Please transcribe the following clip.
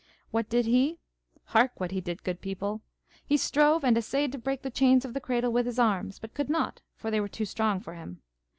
What did he? Hark what he did, good people. He strove and essayed to break the chains of the cradle with his arms, but could not, for they were too strong for him.